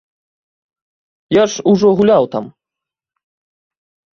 Я ж ужо гуляў там.